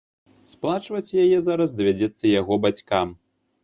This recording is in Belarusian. Сплачваць яе зараз давядзецца яго бацькам.